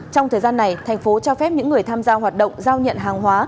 trong thời gian này thành phố cho phép những người tham gia hoạt động giao nhận hàng hóa